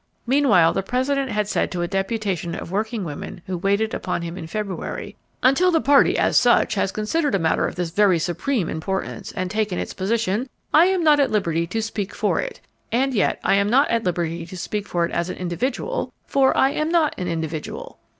Meanwhile the President had said to a deputation of workingwomen who waited upon him in February, "Until the Party, as such, has considered a matter of this very supreme importance, and taken its position, I am not at liberty to speak for it; and yet I am not at liberty to speak for it as an individual, for I am not an individual."